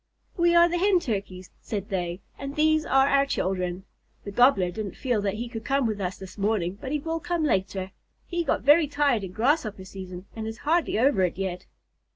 "We are the Hen Turkeys," said they, "and these are our children. The Gobbler didn't feel that he could come with us this morning, but he will come later. He got very tired in Grasshopper season and is hardly over it yet."